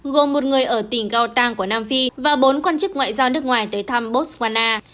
gồm một người ở tỉnh gotang của nam phi và bốn quan chức ngoại giao nước ngoài tới thăm botswana